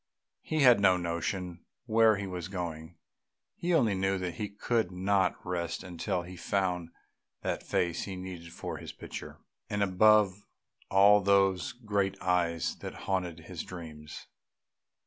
He had no notion where he was going; he only knew that he could not rest until he found that face he needed for his picture, and above all those great eyes that haunted his dreams.